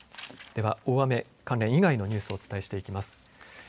では大雨関連以外のニュースをお伝えしていきます。